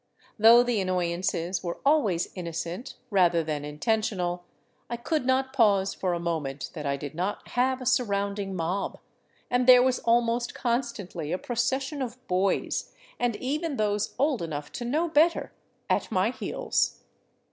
Though the annoyances were always innocent, rather than intentional, I could not pause for a moment that I did not have a sur rounding mob, and there was almost constantly a procession of boys, and even those old enough to know better, at my heels.